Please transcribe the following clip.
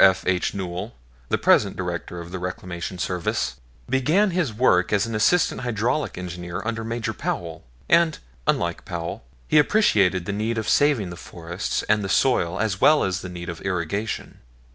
F. H. Newell, the present Director of the Reclamation Service, began his work as an assistant hydraulic engineer under Major Powell; and, unlike Powell, he appreciated the need of saving the forests and the soil as well as the need of irrigation.